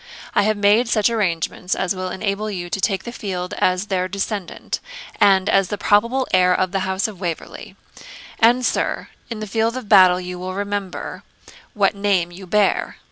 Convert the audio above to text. I have made such arrangements as will enable you to take the field as their descendant, and as the probable heir of the house of Waverley; and, sir, in the field of battle you will remember what name you bear.